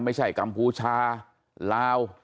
ไม่ใช่กัมพูชาลาว